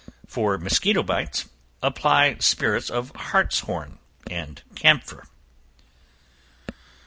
For mosquito bites, apply spirits of hartshorn and camphor.